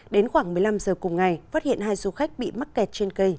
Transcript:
đến khoảng một mươi năm giờ cùng ngày phát hiện hai du khách bị mắc kẹt trên cây